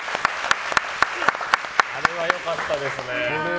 あれは良かったですね。